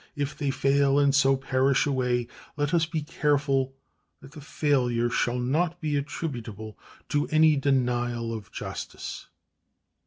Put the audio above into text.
If they fail, and so perish away, let us be careful that the failure shall not be attributable to any denial of justice.